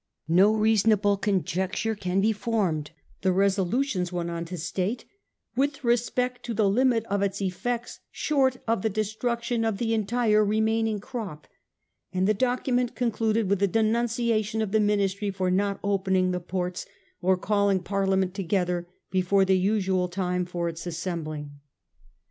'No reasonable conjec ture can be formed,' the resolutions went on to state, ' with respect to the limit of its effects short of the destruction of the entire remaining crop ;' and the document concluded with a denunciation of the Min istry for not opening the ports, or calling Parlia ment together before the usual time for its assem bling.